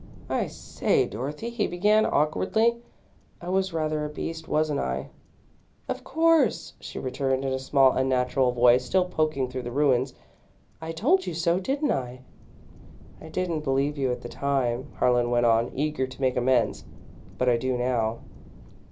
"I say, Dorothy," he began, awkwardly; "I was rather a beast, wasn't I?" "Of course," she returned, in a small, unnatural voice, still poking through the ruins. "I told you so, didn't I?" "I didn't believe you at the time," Harlan went on, eager to make amends, "but I do now."